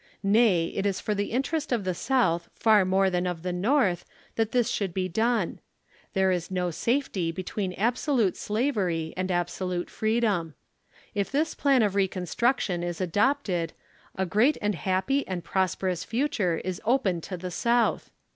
Nay, it is for the interest of the South far more than of the North that this should be done. There is no safety between absolute slavery and absolute freedom. If this plan of reconstruction is adopted a great and happy and prosperous future is open to the South.